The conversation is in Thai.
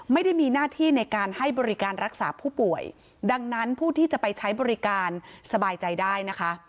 ไม่ได้มีหน้าที่ในการให้บริการรักษาผู้ป่วยดังนั้นผู้ที่จะไปใช้บริการสบายใจได้นะคะ